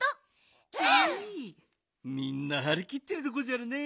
みんなはりきってるでごじゃるね。